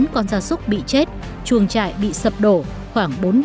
ba trăm ba mươi chín con da súc bị chết chuồng trại bị sập đổ